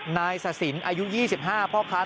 นายสะสินอายุ๒๕พ่อค้า